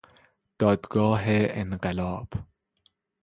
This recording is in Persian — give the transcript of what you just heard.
دادگاه انقلاب